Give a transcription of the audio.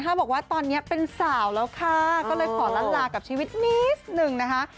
บอกว่าตอนนี้เป็นสาวแล้วค่ะก็เลยขอล้านลากับชีวิตนิดหนึ่งนะคะ